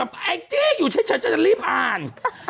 แองจี้อยู่เฉยฉันจะรีบอ่าน